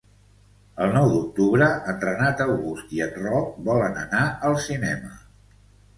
El nou d'octubre en Renat August i en Roc volen anar al cinema.